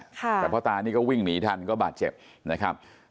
แต่พ่อตานี่ก็วิ่งหนีทันก็บาดเจ็บนะครับ